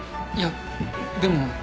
いやでも。